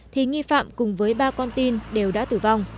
thì nghi phạm cùng với ba con tin đều đã tử vong